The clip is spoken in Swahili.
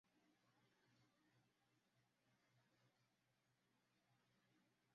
virusi vya ukimwi huambukizwa kupitia damu